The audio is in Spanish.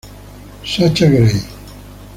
Sasha Grey